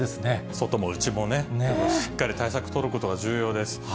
外も内もね、しっかり対策取ることが重要です。